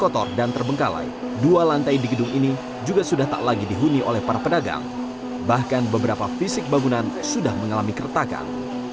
sudah tak lagi dihuni oleh para pedagang bahkan beberapa fisik bangunan sudah mengalami keretakan